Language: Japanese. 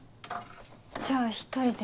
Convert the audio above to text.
じゃあ１人で。